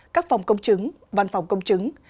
các phòng công chứng văn phòng công chứng